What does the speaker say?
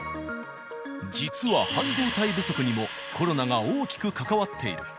実は半導体不足にもコロナが大きく関わっている。